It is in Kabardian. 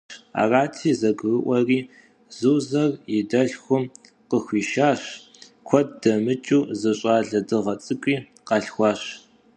Арати, зэгурыӏуэри Зузэр и дэлъхум къыхуишащ, куэд дэмыкӏыу зы щӏалэ дыгъэ цӏыкӏуи къалъхуащ.